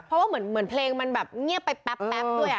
เพราะว่าเหมือนเพลงมันแบบเงียบไปแป๊บด้วย